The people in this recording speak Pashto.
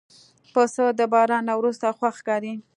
پسه د باران نه وروسته خوښ ښکاري.